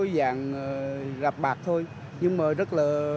và tương tất